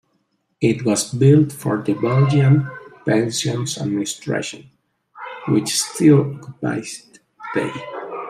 It was built for the Belgian Pensions Administration, which still occupies it today.